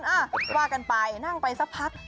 อ่ะว่ากันไปนั่งไปสักพัก